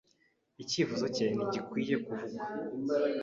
Icyifuzo cye ntigikwiye kuvugwa.